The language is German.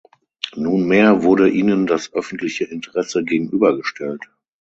Nunmehr wurde ihnen das öffentliche Interesse gegenübergestellt.